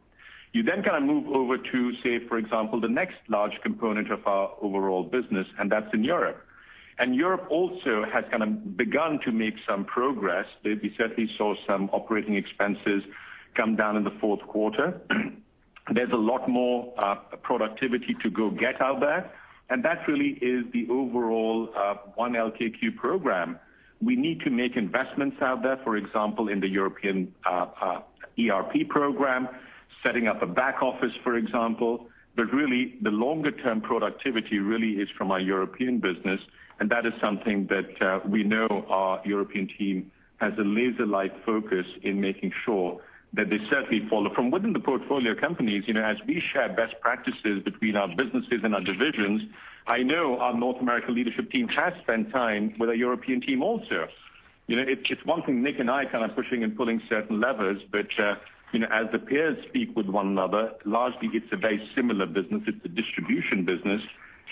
You then move over to, say, for example, the next large component of our overall business, and that's in Europe. Europe also has kind of begun to make some progress. We certainly saw some operating expenses come down in the fourth quarter. There's a lot more productivity to go get out there, and that really is the overall 1 LKQ Europe Program. We need to make investments out there, for example, in the European ERP program, setting up a back office, for example. Really, the longer term productivity really is from our European business, and that is something that we know our European team has a laser-like focus in making sure that they certainly follow. From within the portfolio companies, as we share best practices between our businesses and our divisions, I know our North American leadership team has spent time with our European team also. It's one thing Nick and I kind of pushing and pulling certain levers. As the peers speak with one another, largely it's a very similar business. It's a distribution business.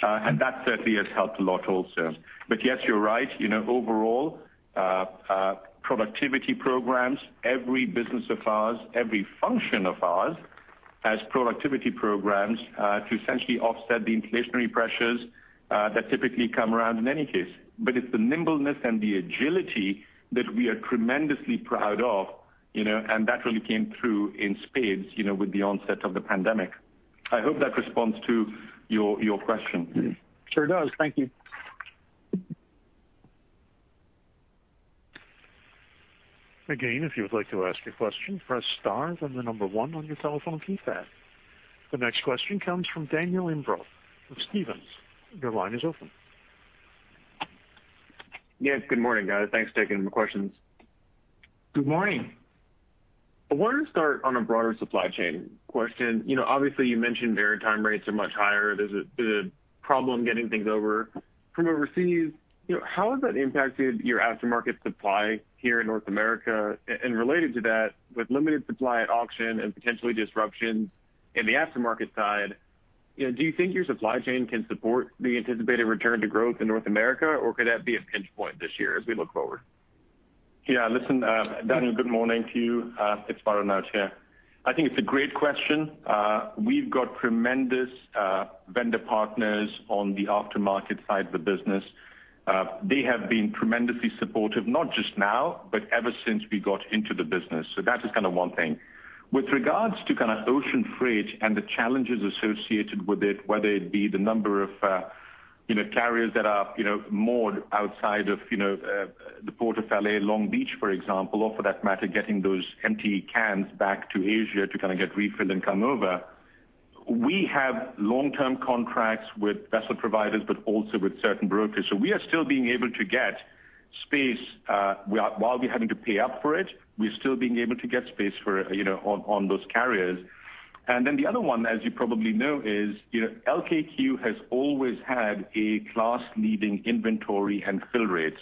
That certainly has helped a lot, also. Yes, you're right. Overall, productivity programs, every business of ours, every function of ours has productivity programs, to essentially offset the inflationary pressures that typically come around in any case. It's the nimbleness and the agility that we are tremendously proud of, and that really came through in spades with the onset of the pandemic. I hope that responds to your question. Sure does. Thank you. Again, if you would like to ask a question, press star, then one on your telephone keypad. The next question comes from Daniel Imbro with Stephens. Your line is open. Yeah. Good morning, guys. Thanks for taking my questions. Good morning. I wanted to start on a broader supply chain question. Obviously, you mentioned maritime rates are much higher. There's a problem getting things over from overseas. How has that impacted your aftermarket supply here in North America? Related to that, with limited supply at auction and potentially disruptions in the aftermarket side, do you think your supply chain can support the anticipated return to growth in North America, or could that be a pinch point this year as we look forward? Yeah. Listen, Daniel, good morning to you. It's Varun here. I think it's a great question. We've got tremendous vendor partners on the aftermarket side of the business. They have been tremendously supportive, not just now, but ever since we got into the business. That is kind of one thing. With regards to kind of ocean freight and the challenges associated with it, whether it be the number of carriers that are moored outside of the Port of L.A., Long Beach, for example, or, for that matter, getting those empty cans back to Asia to kind of get refilled and come over. We have long-term contracts with vessel providers, but also with certain brokers. We are still being able to get space. While we're having to pay up for it, we're still being able to get space on those carriers. The other one, as you probably know, is LKQ has always had a class-leading inventory and fill rates.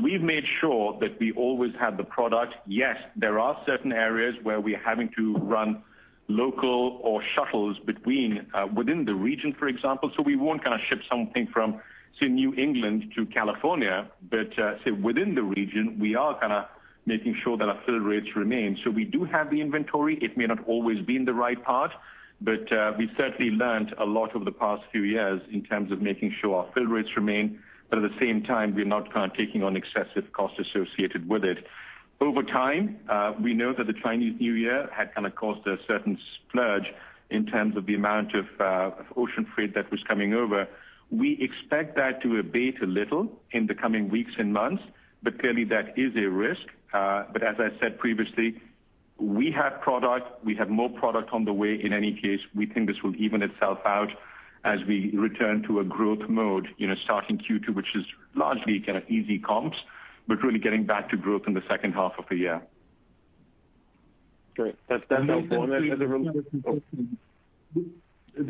We've made sure that we always have the product. Yes, there are certain areas where we're having to run local or shuttles within the region, for example. We won't ship something from, say, New England to California, but say, within the region, we are kind of making sure that our fill rates remain. We do have the inventory. It may not always be in the right part, but we certainly learned a lot over the past few years in terms of making sure our fill rates remain. At the same time, we're not kind of taking on excessive cost associated with it. Over time, we know that the Chinese New Year had kind of caused a certain splurge in terms of the amount of ocean freight that was coming over. We expect that to abate a little in the coming weeks and months, but clearly that is a risk. As I said previously, we have product. We have more product on the way. In any case, we think this will even itself out. As we return to a growth mode, starting Q2, which is largely kind of easy comps, but really getting back to growth in the second half of the year. Great. That's helpful.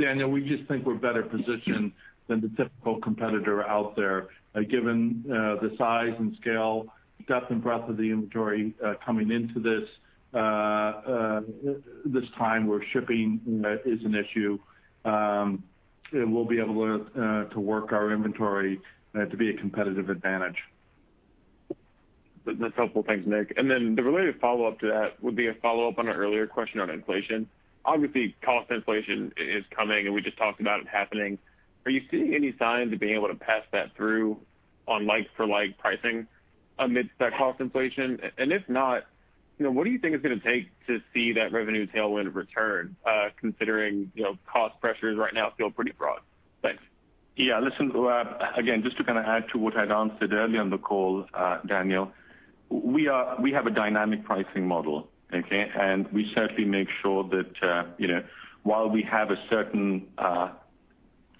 Daniel, we just think we're better positioned than the typical competitor out there, given the size and scale, depth and breadth of the inventory coming into this time, where shipping is an issue. We'll be able to work our inventory to be a competitive advantage. That's helpful. Thanks, Nick. The related follow-up to that would be a follow-up on an earlier question on inflation. Obviously, cost inflation is coming, and we just talked about it happening. Are you seeing any signs of being able to pass that through on like-for-like pricing amidst that cost inflation? If not, what do you think it's going to take to see that revenue tailwind return, considering cost pressures right now feel pretty broad? Thanks. Listen, again, just to kind of add to what I'd answered earlier on the call, Daniel, we have a dynamic pricing model, okay? We certainly make sure that while we have a certain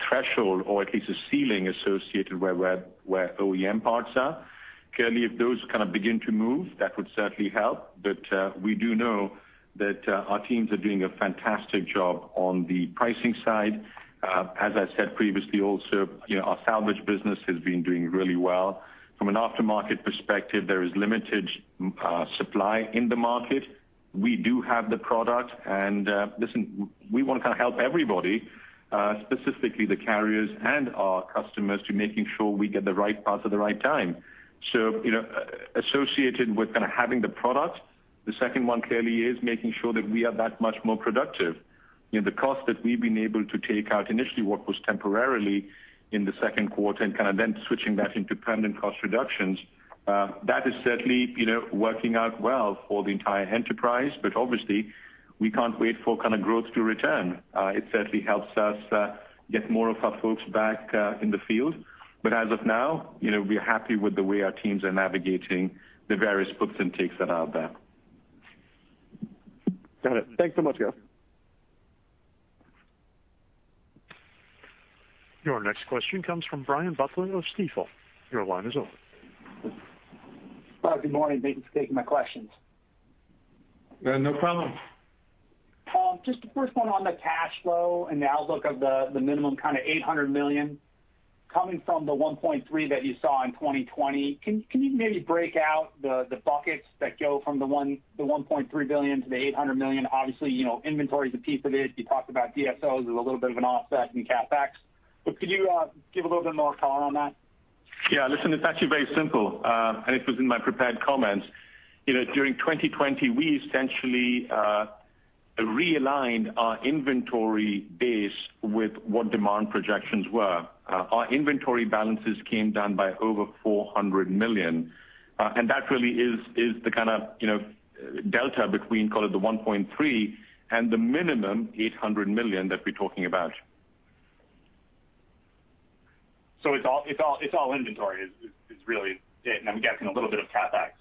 threshold, or at least a ceiling associated where OEM parts are, clearly if those kind of begin to move, that would certainly help. We do know that our teams are doing a fantastic job on the pricing side. As I said previously also, our salvage business has been doing really well. From an aftermarket perspective, there is limited supply in the market. We do have the product, listen, we want to kind of help everybody, specifically the carriers and our customers to making sure we get the right parts at the right time. Associated with kind of having the product, the second one clearly is making sure that we are that much more productive. The cost that we've been able to take out initially, what was temporarily in the second quarter, and kind of then switching that into permanent cost reductions, that is certainly working out well for the entire enterprise. Obviously, we can't wait for kind of growth to return. It certainly helps us get more of our folks back in the field. As of now, we're happy with the way our teams are navigating the various puts and takes that are out there. Got it. Thanks so much, guys. Your next question comes from Brian Butler of Stifel. Your line is open. Good morning. Thank you for taking my questions. No problem. Varun, just a quick one on the cash flow and the outlook of the minimum kind of $800 million coming from the $1.3 billion that you saw in 2020. Can you maybe break out the buckets that go from the $1.3 billion to the $800 million? Obviously, inventory is a piece of it. You talked about DSOs as a little bit of an offset in CapEx. Could you give a little bit more color on that? Yeah. Listen, it's actually very simple, and it was in my prepared comments. During 2020, we essentially realigned our inventory base with what demand projections were. Our inventory balances came down by over $400 million. That really is the kind of delta between call it the $1.3 billion and the minimum $800 million that we're talking about. It's all inventory is really it, and I'm guessing a little bit of CapEx?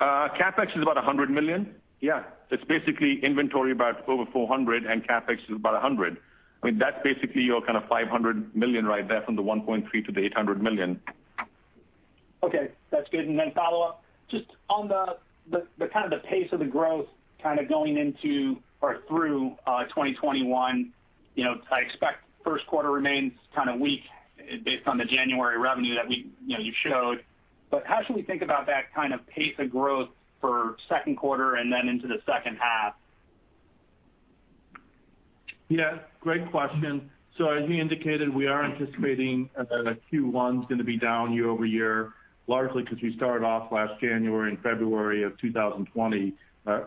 CapEx is about $100 million. Yeah. It's basically inventory about over $400 million, and CapEx is about $100 million. I mean, that's basically your kind of $500 million right there from the $1.3 billion to the $800 million. Okay, that's good. Follow-up, just on the kind of the pace of the growth, kind of going into or through 2021. I expect first quarter remain kind of weak based on the January revenue that you showed. How should we think about that kind of pace of growth for second quarter and then into the second half? Yeah, great question. As he indicated, we are anticipating that Q1's going to be down year-over-year, largely because we started off last January and February of 2020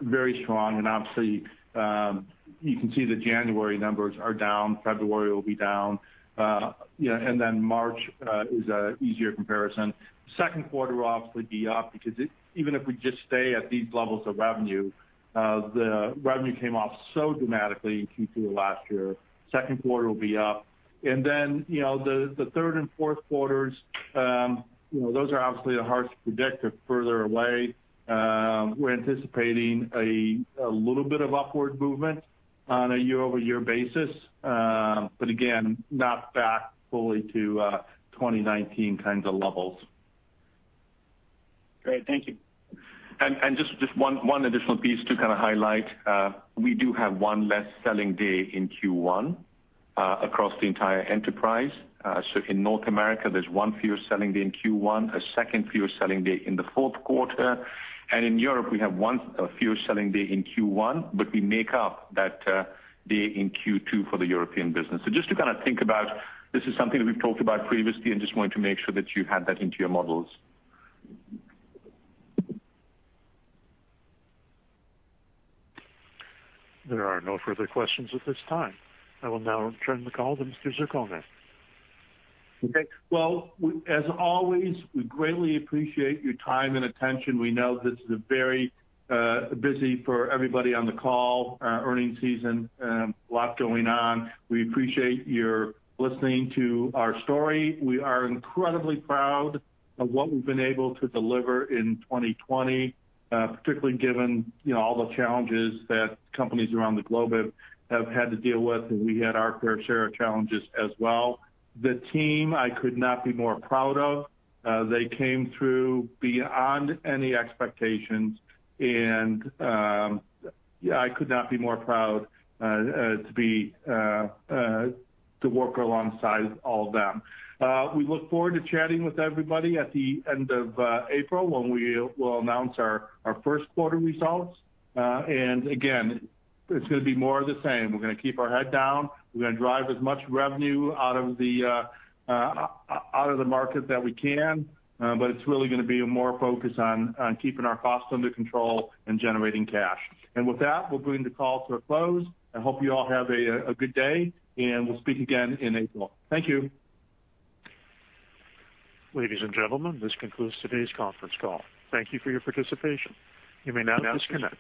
very strong. Obviously, you can see the January numbers are down, February will be down, March is a easier comparison. Second quarter will obviously be up because even if we just stay at these levels of revenue, the revenue came off so dramatically in Q2 of last year. Second quarter will be up. The third and fourth quarters, those are obviously hard to predict. They're further away. We're anticipating a little bit of upward movement on a year-over-year basis. Again, not back fully to 2019 kinds of levels. Great. Thank you. Just one additional piece to kind of highlight. We do have one less selling day in Q1 across the entire enterprise. In North America, there's one fewer selling day in Q1, a second fewer selling day in the fourth quarter. In Europe, we have one fewer selling day in Q1, but we make up that day in Q2 for the European business. Just to kind of think about, this is something that we've talked about previously and just wanted to make sure that you had that into your models. There are no further questions at this time. I will now turn the call to Mr. Zarcone. Okay. Well, as always, we greatly appreciate your time and attention. We know this is very busy for everybody on the call, earnings season, a lot going on. We appreciate your listening to our story. We are incredibly proud of what we've been able to deliver in 2020, particularly given all the challenges that companies around the globe have had to deal with, and we had our fair share of challenges as well. The team I could not be more proud of. They came through beyond any expectations, and I could not be more proud to work alongside all of them. We look forward to chatting with everybody at the end of April, when we will announce our first quarter results. Again, it's going to be more of the same. We're going to keep our head down. We're going to drive as much revenue out of the market that we can. It's really going to be more focused on keeping our costs under control and generating cash. With that, we'll bring the call to a close. I hope you all have a good day, and we'll speak again in April. Thank you. Ladies and gentlemen, this concludes today's conference call. Thank you for your participation. You may now disconnect.